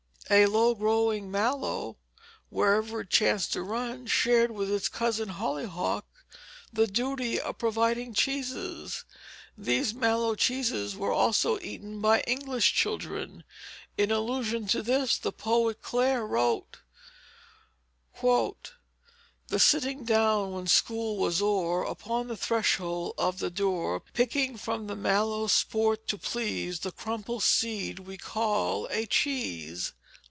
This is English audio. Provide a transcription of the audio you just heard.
A low growing mallow, wherever it chanced to run, shared with its cousin hollyhock the duty of providing cheeses. These mallow cheeses were also eaten by English children. In allusion to this the poet Clare wrote: "The sitting down when school was o'er Upon the threshold of the door, Picking from mallows, sport to please, The crumpled seed we call a cheese."